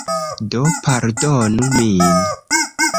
Do, pardonu min.